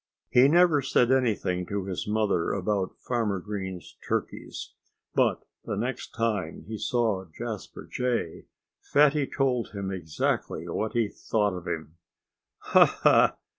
He never said anything to his mother about Farmer Green's turkeys. But the next time he saw Jasper Jay Fatty told him exactly what he thought of him. "Ha! ha!"